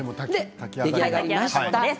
出来上がりました。